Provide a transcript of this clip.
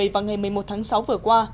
và ngày một mươi một tháng sáu vừa qua